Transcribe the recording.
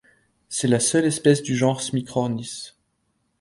C'est la seule espèce du genre Smicrornis.